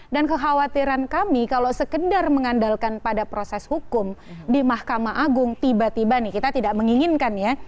dan kekhawatiran kami kalau sekedar mengandalkan pada proses hukum di mahkamah agung tiba tiba nih kita tidak menginginkan ya